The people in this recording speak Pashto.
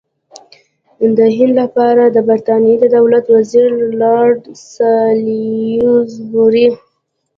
د هند لپاره د برټانیې د دولت وزیر لارډ سالیزبوري.